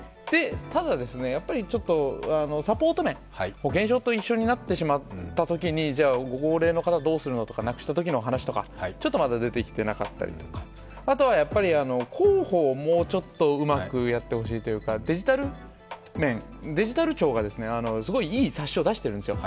ただ、やっぱりちょっとサポート面、保険証と一緒になってしまったときにご高齢の方、どうするのとか、なくしたときにとかまだ出てきていなかったりとか、広報をもうちょっとうまくやってほしいというか、デジタル面、デジタル庁がいい冊子を出しているんですよ。